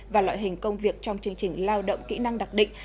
và loại hình công việc trong chương trình lao động kỹ năng đặc định